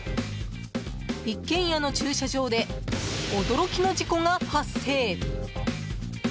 一軒家の駐車場で驚きの事故が発生。